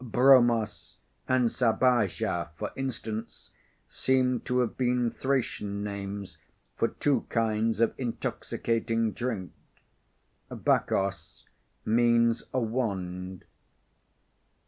Bromos and Sabaja, for instance, seem to have been Thracian names for two kinds of intoxicating drink. Bacchos means a "wand."